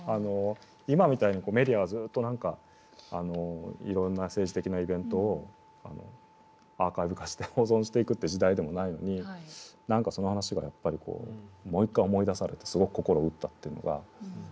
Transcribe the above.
今みたいにメディアがずっといろんな政治的なイベントをアーカイブ化して保存していくっていう時代でもないのに何かその話がやっぱりもう一回思い出されてすごく心を打ったっていうのが。